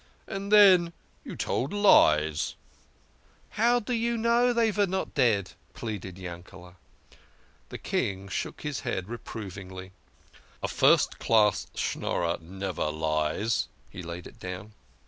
And then you told lies !" "How do you know they are not dead?" pleaded Yan kele\ The King shook his head reprovingly. " A first class Schnorrer never lies," he laid it down.